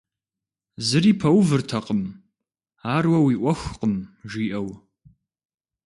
Зыри пэувыртэкъым, ар уэ уи Ӏуэхукъым, жиӀэу.